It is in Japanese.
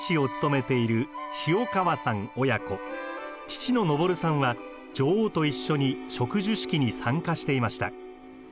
父の昇さんは女王と一緒に植樹式に参加していました。